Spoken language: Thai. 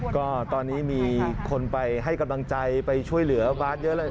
ก็ตอนนี้มีคนไปให้กำลังใจไปช่วยเหลือบาร์ดเยอะเลย